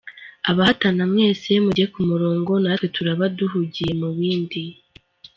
Abahatana mwese mujye ku murongo natwe turaba duhugiye mubindi.